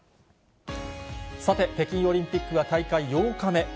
さて、北京オリンピックは大会８日目。